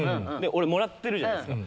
俺もらってるじゃないですか。